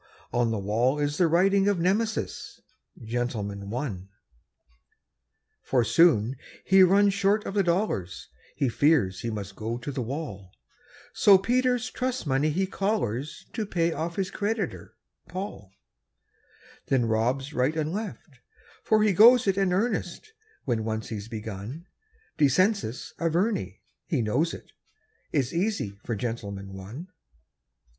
on the wall is the writing Of Nemesis, "Gentleman, One". For soon he runs short of the dollars, He fears he must go to the wall; So Peter's trust money he collars To pay off his creditor, Paul; Then robs right and left for he goes it In earnest when once he's begun. Descensus Averni he knows it; It's easy for "Gentleman, One".